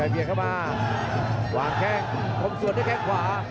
เบียดเข้ามาวางแข้งผมส่วนด้วยแข้งขวา